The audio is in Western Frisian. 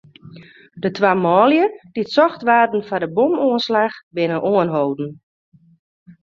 De twa manlju dy't socht waarden foar de bomoanslach, binne oanholden.